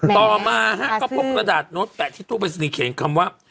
ต่อมาฮะก็พบกระดาษโน้ตแปะที่ตู้ปริศนีย์เขียนคำว่า